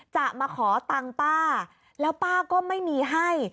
จะมาขอตังค์ป้าแล้วป้าก็ไม่มีให้